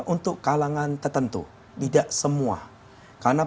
untuk kalangan tertentu tidak semua karena